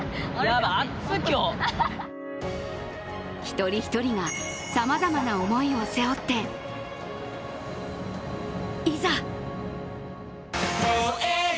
一人一人がさまざまな思いを背負っていざ！